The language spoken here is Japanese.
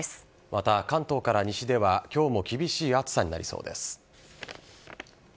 また、関東から西ではきょうも厳しい暑さになりそうです。